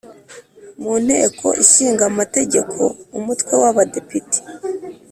mu Nteko Ishinga Amategeko Umutwe wa badepite